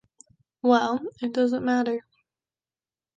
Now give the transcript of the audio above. Well, it doesn’t matter.